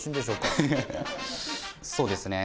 そうですね。